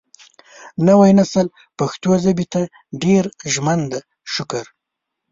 نوی نسل پښتو ژبې ته ډېر ژمن دی شکر